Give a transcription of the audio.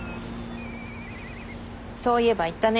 そういえば言ったね